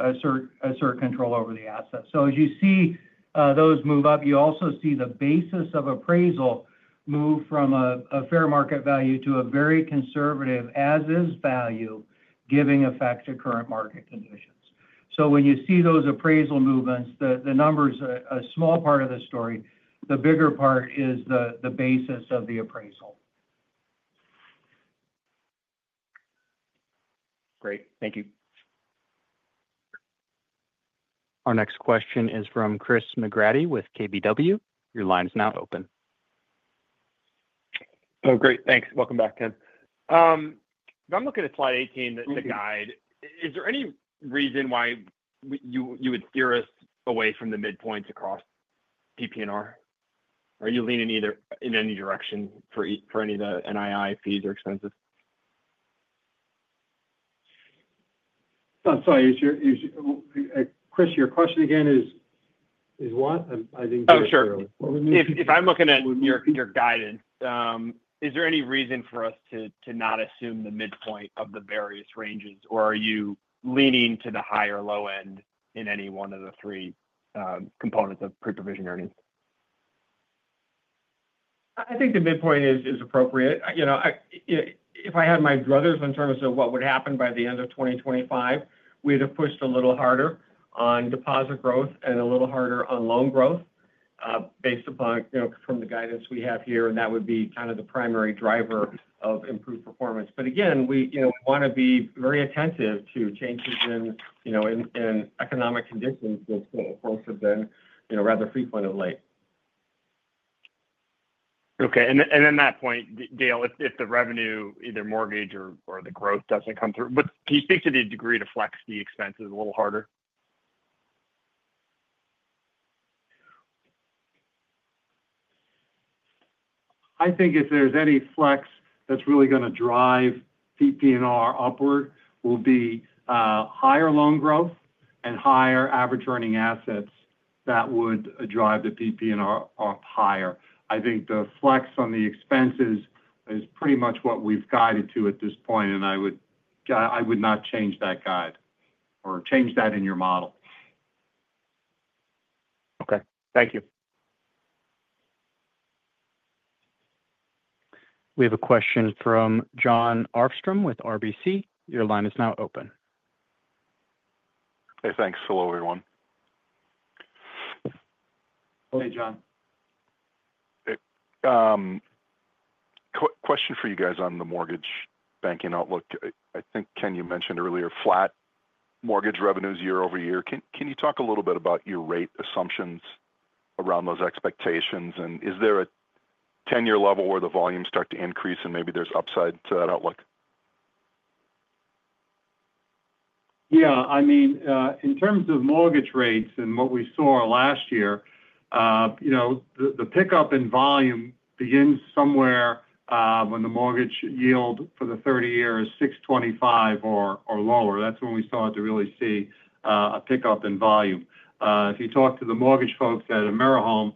D: assert control over the assets. As you see those move up, you also see the basis of appraisal move from a fair market value to a very conservative as-is value, giving effect to current market conditions. When you see those appraisal movements, the number is a small part of the story. The bigger part is the basis of the appraisal.
K: Great. Thank you.
A: Our next question is from Chris McGrady with KBW. Your line is now open.
L: Oh, great. Thanks. Welcome back, Ken. I am looking at slide 18, the guide. Is there any reason why you would steer us away from the midpoint across PP&R? Are you leaning in any direction for any of the NII fees or expenses?
D: I am sorry. Chris, your question again is what? I did not hear you clearly.
L: Oh, sure. If I'm looking at your guidance, is there any reason for us to not assume the midpoint of the various ranges, or are you leaning to the high or low end in any one of the three components of pre-provision earnings? I think the midpoint is appropriate. If I had my druthers in terms of what would happen by the end of 2025, we'd have pushed a little harder on deposit growth and a little harder on loan growth based upon from the guidance we have here. That would be kind of the primary driver of improved performance. Again, we want to be very attentive to changes in economic conditions that have been rather frequent of late. Okay. At that point, Dale, if the revenue, either mortgage or the growth, doesn't come through, can you speak to the degree to flex the expenses a little harder?
D: I think if there's any flex that's really going to drive PP&R upward will be higher loan growth and higher average earning assets that would drive the PP&R up higher. I think the flex on the expenses is pretty much what we've guided to at this point, and I would not change that guide or change that in your model.
L: Okay. Thank you.
D: We have a question from John Arfstrom with RBC. Your line is now open.
M: Hey, thanks. Hello, everyone. Hey, John. Question for you guys on the mortgage banking outlook. I think, Ken, you mentioned earlier flat mortgage revenues year over year. Can you talk a little bit about your rate assumptions around those expectations? And is there a 10-year level where the volumes start to increase and maybe there's upside to that outlook?
D: Yeah. I mean, in terms of mortgage rates and what we saw last year, the pickup in volume begins somewhere when the mortgage yield for the 30 year is 6.25% or lower. That's when we started to really see a pickup in volume. If you talk to the mortgage folks at AmeriHome,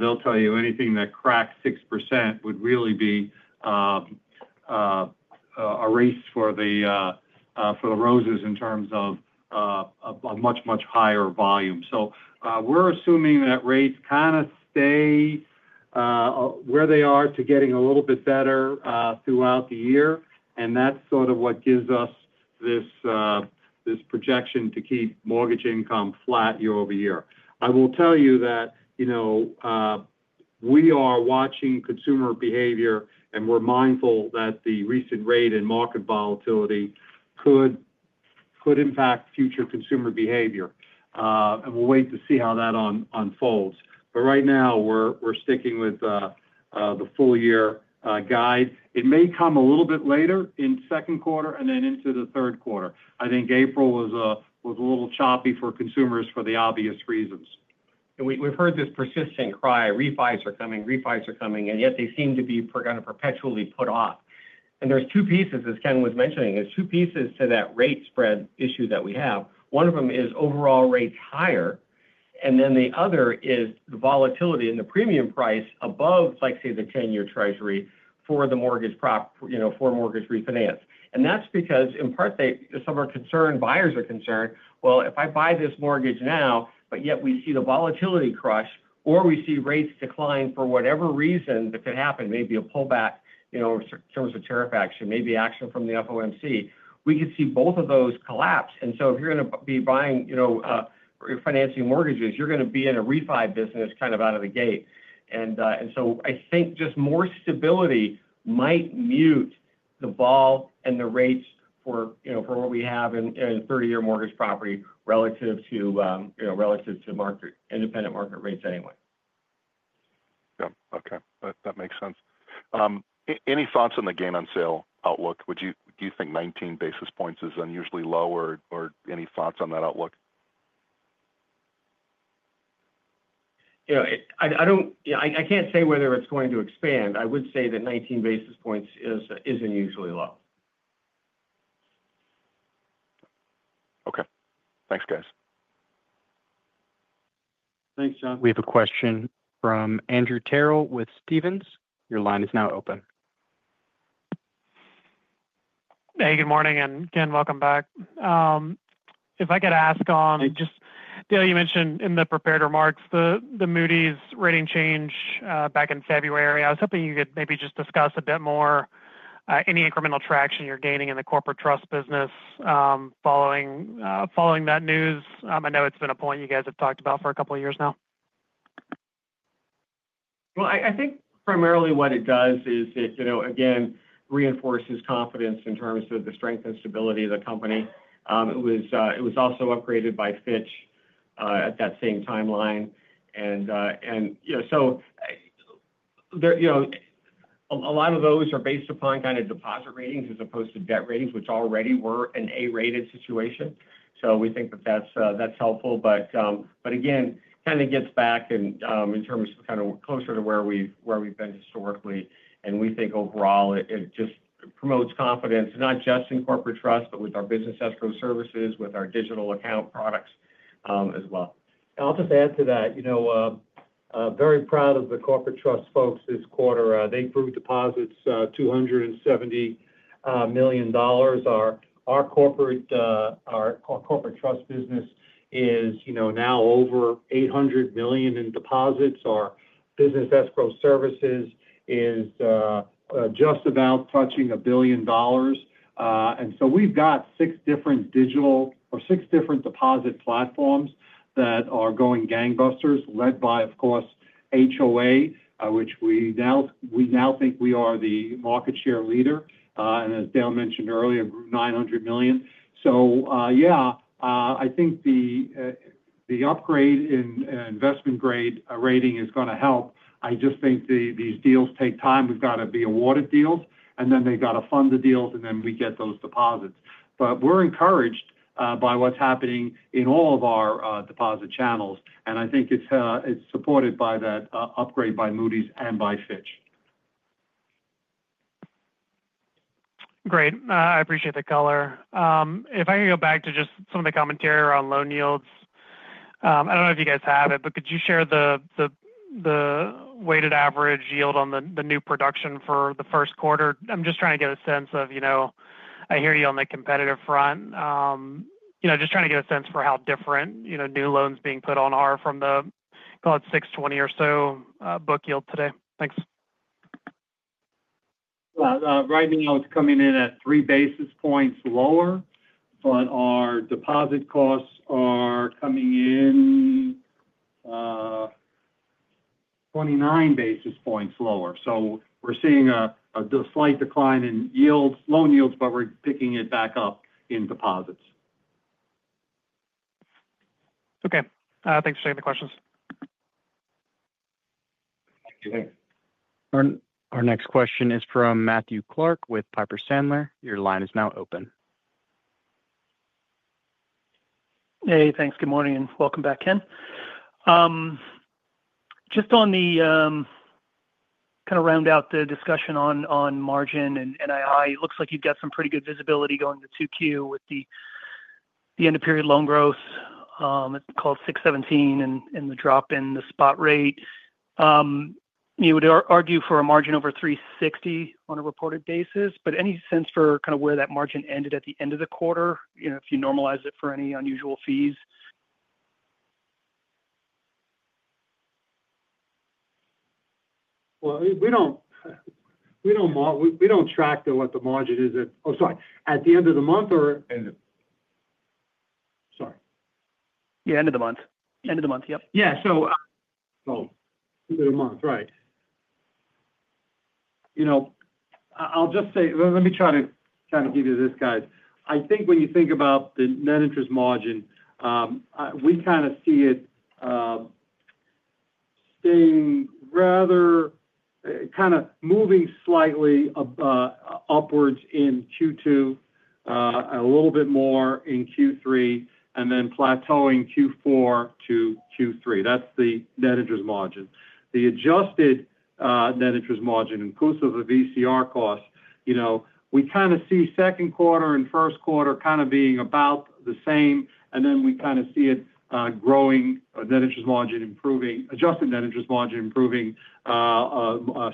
D: they'll tell you anything that cracks 6% would really be a race for the roses in terms of a much, much higher volume. We are assuming that rates kind of stay where they are to getting a little bit better throughout the year. That is sort of what gives us this projection to keep mortgage income flat year over year. I will tell you that we are watching consumer behavior, and we're mindful that the recent rate and market volatility could impact future consumer behavior. We will wait to see how that unfolds. Right now, we're sticking with the full-year guide. It may come a little bit later in second quarter and then into the third quarter. I think April was a little choppy for consumers for the obvious reasons. We've heard this persistent cry: "Refis are coming. Refis are coming." Yet they seem to be kind of perpetually put off. There are two pieces, as Ken was mentioning. There are two pieces to that rate spread issue that we have. One of them is overall rates higher, and then the other is the volatility in the premium price above, say, the 10-year treasury for the mortgage refinance. That is because, in part, some are concerned; buyers are concerned. If I buy this mortgage now, but yet we see the volatility crush or we see rates decline for whatever reason that could happen, maybe a pullback in terms of tariff action, maybe action from the FOMC, we could see both of those collapse. If you're going to be buying or financing mortgages, you're going to be in a refi business kind of out of the gate. I think just more stability might mute the vol and the rates for what we have in 30-year mortgage property relative to market independent market rates anyway.
M: Yeah. Okay. That makes sense. Any thoughts on the gain-on-sale outlook? Do you think 19 basis points is unusually lower, or any thoughts on that outlook?
D: I can't say whether it's going to expand. I would say that 19 basis points is unusually low. Okay. Thanks, guys.
A: Thanks, John. We have a question from Andrew Terrell with Stephens. Your line is now open.
N: Hey, good morning. And again, welcome back. If I could ask on just, Dale, you mentioned in the prepared remarks the Moody's rating change back in February. I was hoping you could maybe just discuss a bit more any incremental traction you're gaining in the corporate trust business following that news. I know it's been a point you guys have talked about for a couple of years now.
C: I think primarily what it does is it, again, reinforces confidence in terms of the strength and stability of the company. It was also upgraded by Fitch at that same timeline. A lot of those are based upon kind of deposit ratings as opposed to debt ratings, which already were an A-rated situation. We think that that's helpful. Again, kind of gets back in terms of kind of closer to where we've been historically. We think overall it just promotes confidence, not just in corporate trust, but with our business escrow services, with our digital account products as well. I'll just add to that, very proud of the corporate trust folks this quarter. They grew deposits $270 million. Our corporate trust business is now over $800 million in deposits. Our business escrow services is just about touching $1 billion. We've got six different digital or six different deposit platforms that are going gangbusters, led by, of course, HOA, which we now think we are the market share leader. As Dale mentioned earlier, $900 million. I think the upgrade in investment grade rating is going to help. I just think these deals take time. We've got to be awarded deals, and then they've got to fund the deals, and then we get those deposits. We are encouraged by what's happening in all of our deposit channels. I think it's supported by that upgrade by Moody's and by Fitch.
N: Great. I appreciate the color. If I can go back to just some of the commentary around loan yields, I don't know if you guys have it, but could you share the weighted average yield on the new production for the first quarter? I'm just trying to get a sense of I hear you on the competitive front. Just trying to get a sense for how different new loans being put on are from the, call it, 620 or so book yield today. Thanks.
C: Right now, it's coming in at three basis points lower, but our deposit costs are coming in 29 basis points lower. We're seeing a slight decline in loan yields, but we're picking it back up in deposits.
N: Okay. Thanks for taking the questions.
A: Thank you. Our next question is from Matthew Clark with Piper Sandler. Your line is now open.
O: Hey, thanks. Good morning. Welcome back, Ken. Just kind of round out the discussion on margin and NII. It looks like you've got some pretty good visibility going to 2Q with the end-of-period loan growth called 617 and the drop in the spot rate. You would argue for a margin over 360 on a reported basis, but any sense for kind of where that margin ended at the end of the quarter if you normalize it for any unusual fees?
C: We do not track what the margin is at—oh, sorry—at the end of the month or end of—sorry. Yeah, end of the month. End of the month, yep. Yeah. End of the month, right. I'll just say, let me try to give you this, guys. I think when you think about the net interest margin, we kind of see it staying rather kind of moving slightly upwards in Q2, a little bit more in Q3, and then plateauing Q4 to Q3. That's the net interest margin. The adjusted net interest margin, inclusive of VCR costs, we kind of see second quarter and first quarter kind of being about the same. And then we kind of see it growing, adjusted net interest margin improving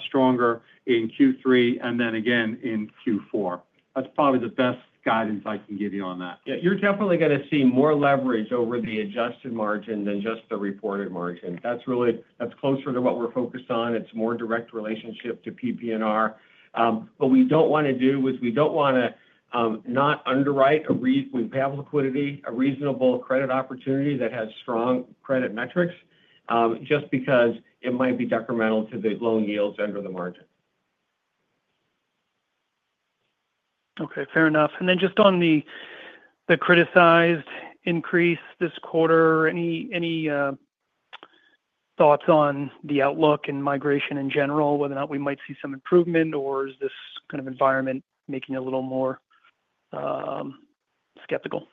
C: stronger in Q3 and then again in Q4. That's probably the best guidance I can give you on that. Yeah. You're definitely going to see more leverage over the adjusted margin than just the reported margin. That's closer to what we're focused on. It's a more direct relationship to PP&R. What we do not want to do is we do not want to not underwrite a—we have liquidity, a reasonable credit opportunity that has strong credit metrics just because it might be detrimental to the loan yields under the margin.
O: Okay. Fair enough. Just on the criticized increase this quarter, any thoughts on the outlook and migration in general, whether or not we might see some improvement, or is this kind of environment making you a little more skeptical?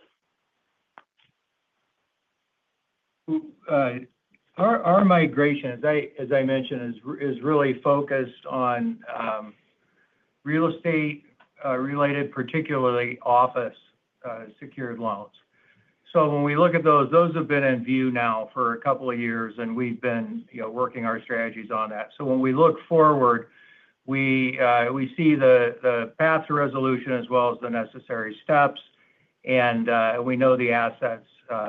C: Our migration, as I mentioned, is really focused on real estate-related, particularly office secured loans. When we look at those, those have been in view now for a couple of years, and we have been working our strategies on that. When we look forward, we see the path to resolution as well as the necessary steps, and we know the assets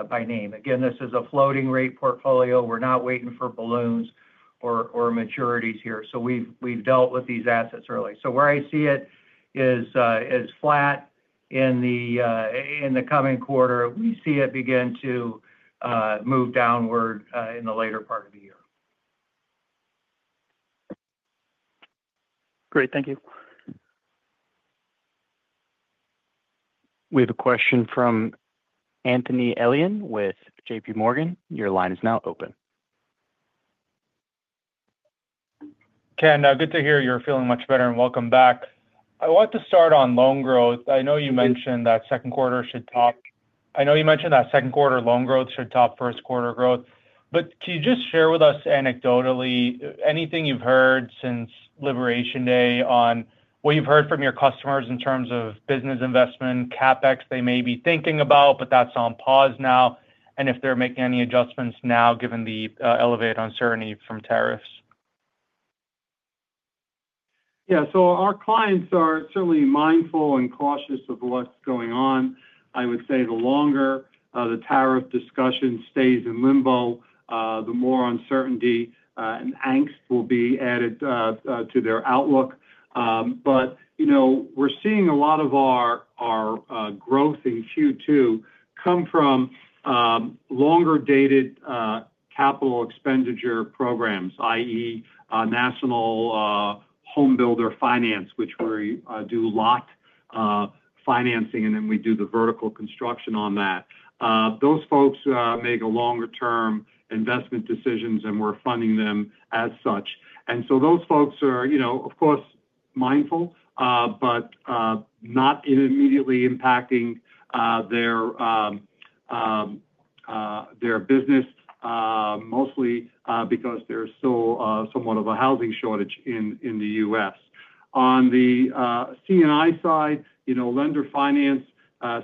C: by name. Again, this is a floating-rate portfolio. We're not waiting for balloons or maturities here. We have dealt with these assets early. Where I see it is flat. In the coming quarter, we see it begin to move downward in the later part of the year.
O: Great. Thank you.
A: We have a question from Anthony Ellien with JPMorgan. Your line is now open.
P: Ken, good to hear you're feeling much better and welcome back. I want to start on loan growth. I know you mentioned that second quarter loan growth should top first quarter growth. Can you just share with us anecdotally anything you've heard since Liberation Day on what you've heard from your customers in terms of business investment, CapEx they may be thinking about, but that's on pause now, and if they're making any adjustments now given the elevated uncertainty from tariffs?
C: Yeah. Our clients are certainly mindful and cautious of what's going on. I would say the longer the tariff discussion stays in limbo, the more uncertainty and angst will be added to their outlook. We are seeing a lot of our growth in Q2 come from longer-dated capital expenditure programs, i.e., National Homebuilder Finance, which we do lot financing, and then we do the vertical construction on that. Those folks make longer-term investment decisions, and we are funding them as such. Those folks are, of course, mindful, but not immediately impacting their business, mostly because there is still somewhat of a housing shortage in the U.S. On the C&I side, lender finance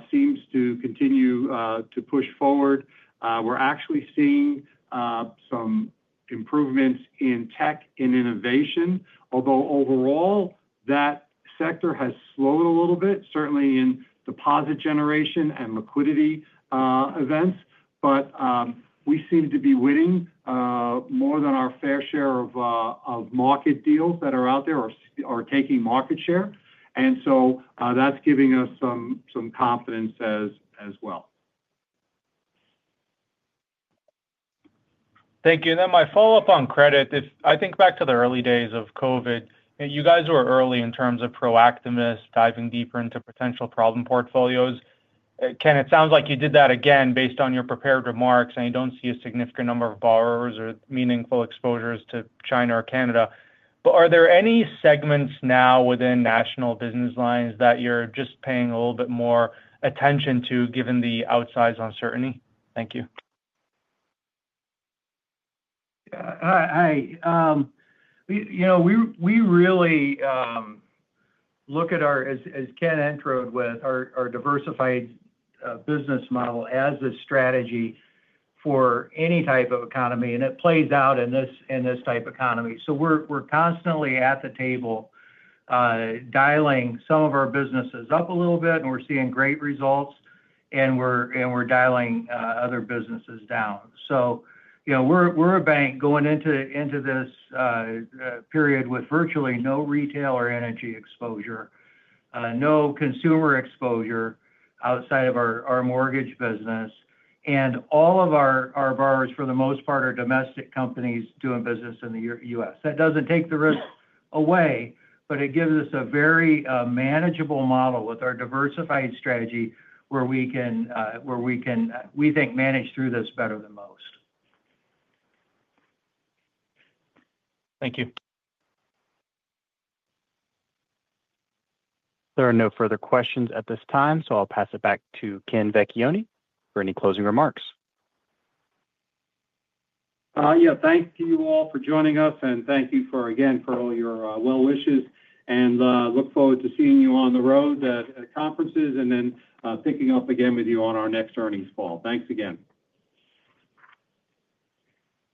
C: seems to continue to push forward. We are actually seeing some improvements in tech and innovation, although overall, that sector has slowed a little bit, certainly in deposit generation and liquidity events. We seem to be winning more than our fair share of market deals that are out there or taking market share. That is giving us some confidence as well.
P: Thank you. My follow-up on credit, I think back to the early days of COVID, you guys were early in terms of proactiveness, diving deeper into potential problem portfolios. Ken, it sounds like you did that again based on your prepared remarks, and you do not see a significant number of borrowers or meaningful exposures to China or Canada. Are there any segments now within national business lines that you are just paying a little bit more attention to given the outsize uncertainty? Thank you.
D: Yeah. Hi. We really look at our, as Ken entered with, our diversified business model as a strategy for any type of economy, and it plays out in this type of economy. We're constantly at the table dialing some of our businesses up a little bit, and we're seeing great results, and we're dialing other businesses down. We're a bank going into this period with virtually no retail or energy exposure, no consumer exposure outside of our mortgage business. All of our borrowers, for the most part, are domestic companies doing business in the U.S. That does not take the risk away, but it gives us a very manageable model with our diversified strategy where we can, we think, manage through this better than most.
P: Thank you.
A: There are no further questions at this time, so I'll pass it back to Ken Vecchione for any closing remarks.
C: Thank you all for joining us, and thank you again for all your well wishes. Look forward to seeing you on the road at conferences and then picking up again with you on our next earnings call. Thanks again.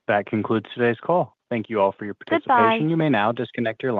A: That concludes today's call. Thank you all for your participation. You may now disconnect your line.